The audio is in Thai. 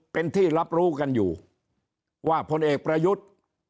เป็นที่รับรู้กันอยู่ว่าพลเอกประยุทธ์